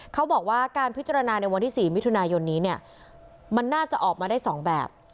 เขาบอกว่าการพิจารณาในวันที่๔มิถุนายนนี้เนี่ยมันน่าจะออกมาได้๒แบบ